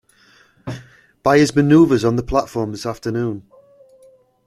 By his manoeuvres on the platform this afternoon.